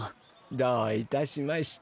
どういたしまして。